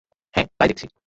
হ্যাঁ, তাই দেখছি।